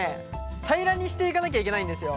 平らにしていかなきゃいけないんですよ。